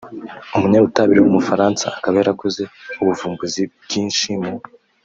umunyabutabire w’umufaransa akaba yarakoze ubuvumbuzi bwinshi mu